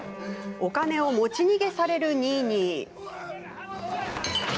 お金を持ち逃げされるニーニー。